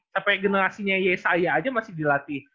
tapi generasinya saya aja masih dilatih